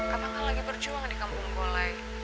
abang kan lagi berjuang di kampung golai